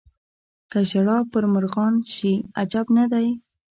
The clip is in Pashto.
که ژړا پر مرغان شي عجب نه دی.